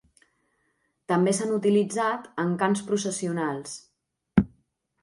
També s'han utilitzat en cants processionals.